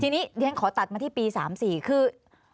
ทีนี้เรียนขอตัดมาที่ปี๓๔คือ